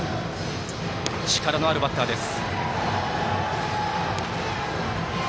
力のあるバッターです。